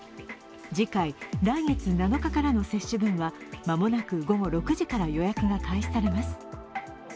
次回、来月７日からの接種分は間もなく午後６時から予約が開始されます。